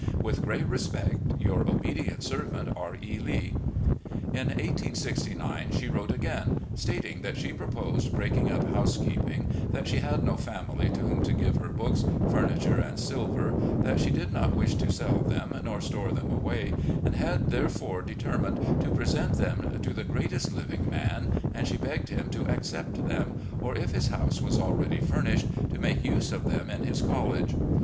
With great respect, "Your obedient servant, "R. E. Lee." In 1869 she wrote again, stating that she proposed breaking up housekeeping, that she had no family to whom to give her books, furniture, and s'ilver, that she did not wish to sell them nor store them away, and had therefore determined to present them to the "greatest living man," and she begged him to accept them, or, if his house was already furnished, to make use of them in his college.